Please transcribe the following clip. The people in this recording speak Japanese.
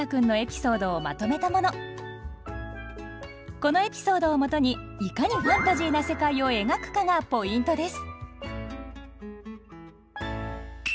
このエピソードをもとにいかにファンタジーな世界を描くかがポイントです。